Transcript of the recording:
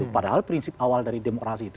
padahal prinsip awal dari demokrasi itu